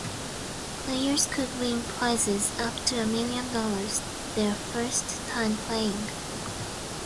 Players could win prizes up to a million dollars their first time playing.